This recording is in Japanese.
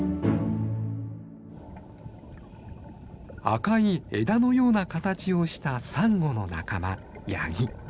赤い枝のような形をしたサンゴの仲間